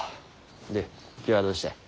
で今日はどうした？